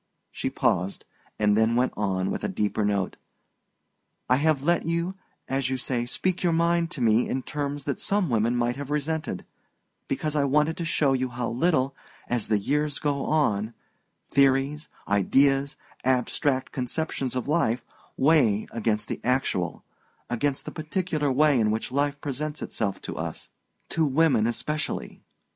She paused, and then went on with a deeper note: "I have let you, as you say, speak your mind to me in terms that some women might have resented, because I wanted to show you how little, as the years go on, theories, ideas, abstract conceptions of life, weigh against the actual, against the particular way in which life presents itself to us to women especially.